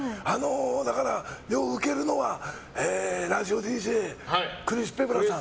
だから、ようウケるのはラジオＤＪクリス・ペプラーさん。